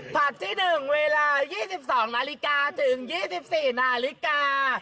ปัจจุดหนึ่งเวลา๒๒นาฬิกาถึง๒๔นาฬิกา